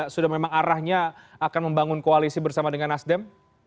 sudah memang arahnya akan membangun koalisi bersama dengan nasdem